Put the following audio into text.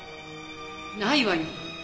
ないわよ。